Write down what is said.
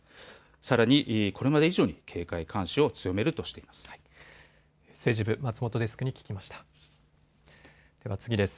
さらにこれまで以上に警戒監視を強めるとしています。